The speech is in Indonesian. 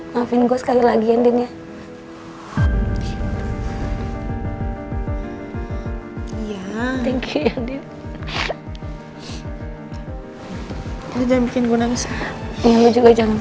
maafin gue sekali lagi ya din ya